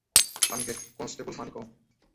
আমি head constable Manickam.